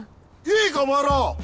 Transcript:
いいかお前ら！